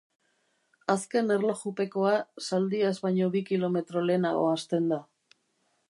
Azken erlojupekoa Saldias baino bi kilometro lehenago hasten da.